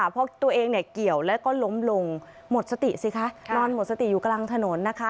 เพราะตัวเองเนี่ยเกี่ยวแล้วก็ล้มลงหมดสติสิคะนอนหมดสติอยู่กลางถนนนะคะ